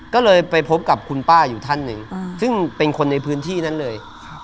ก็เลยไปพบกับคุณป้าอยู่ท่านหนึ่งซึ่งเป็นคนในพื้นที่นั้นเลย